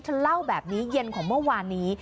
เธอเล่าแบบนี้เย็นของเมื่อวานนี้